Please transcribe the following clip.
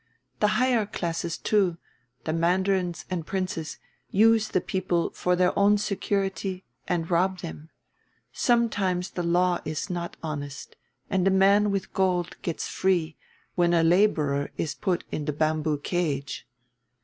The higher classes too, the mandarins and princes, use the people for their own security and rob them. Sometimes the law is not honest, and a man with gold gets free when a laborer is put in the bamboo cage."